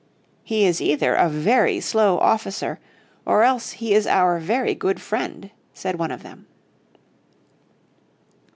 "He is either a very slow officer, or else he is our very good friend," said one of them.